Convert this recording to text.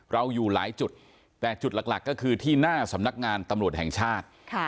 อยู่หลายจุดแต่จุดหลักก็คือที่หน้าสำนักงานตำรวจแห่งชาติ